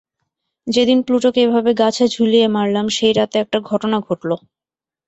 যেদিন প্লুটোকে এভাবে গাছে ঝুলিয়ে মারলাম সেই রাতে একটা ঘটনা ঘটল।